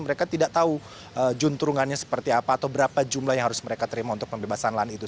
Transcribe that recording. mereka tidak tahu junturungannya seperti apa atau berapa jumlah yang harus mereka terima untuk pembebasan lahan itu